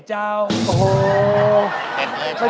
จับข้าว